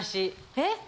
・えっ！